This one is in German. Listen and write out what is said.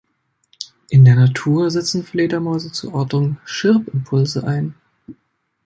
In der Natur setzen Fledermäuse zur Ortung Chirp-Impulse ein.